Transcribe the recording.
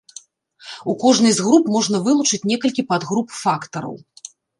У кожнай з груп можна вылучыць некалькі падгруп фактараў.